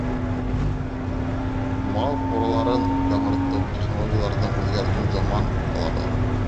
— Мал ҡураларын яңыртыу, технологияларҙы үҙгәртеү — заман талабы.